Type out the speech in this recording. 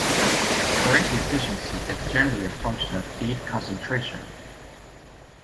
Current efficiency is generally a function of feed concentration.